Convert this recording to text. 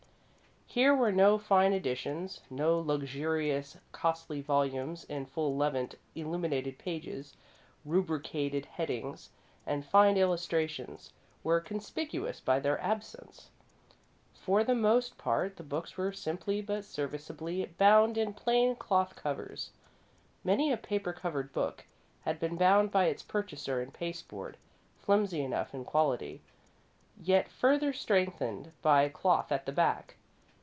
Here were no fine editions, no luxurious, costly volumes in full levant. Illuminated pages, rubricated headings, and fine illustrations were conspicuous by their absence. For the most part, the books were simply but serviceably bound in plain cloth covers. Many a paper covered book had been bound by its purchaser in pasteboard, flimsy enough in quality, yet further strengthened by cloth at the back.